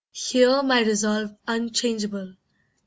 Hear My resolve unchangeable.